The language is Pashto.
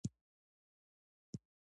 چې هغه د کلي په خیاط